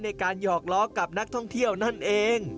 หยอกล้อกับนักท่องเที่ยวนั่นเอง